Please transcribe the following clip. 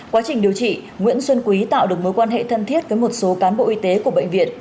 quá trình điều trị nguyễn xuân quý tạo được mối quan hệ thân thiết với một số cán bộ y tế của bệnh viện